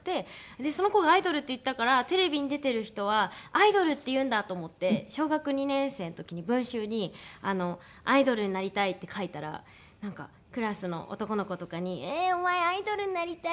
でその子が「アイドル」って言ったからテレビに出てる人はアイドルっていうんだと思って小学２年生の時に文集に「アイドルになりたい」って書いたらなんかクラスの男の子とかに「ええーお前アイドルになりたいんだ！」